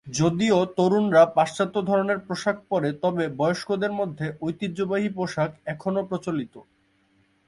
যদিও তরুণরা পাশ্চাত্য ধরনের পোশাক পরে, তবে বয়স্কদের মধ্যে ঐতিহ্যবাহী পোশাক এখনও প্রচলিত।